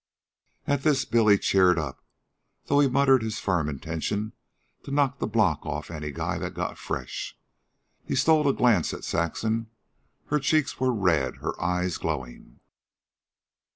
At this Billy cheered up, though he muttered his firm intention to knock the block off of any guy that got fresh. He stole a glance at Saxon. Her cheeks were red, her eyes glowing.